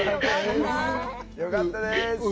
よかったです。